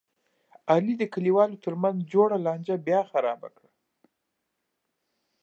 علي د کلیوالو ترمنځ جوړه لانجه بیا خرابه کړله.